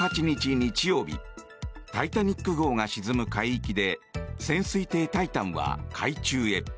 日曜日「タイタニック号」が沈む海域で潜水艇「タイタン」は海中へ。